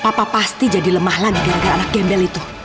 papa pasti jadi lemah lagi gara gara anak gembel itu